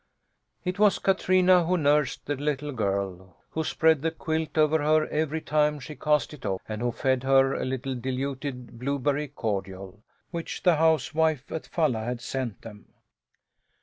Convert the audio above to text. It was Katrina who nursed the little girl, who spread the quilt over her every time she cast it off, and who fed her a little diluted blueberry cordial, which the housewife at Falla had sent them.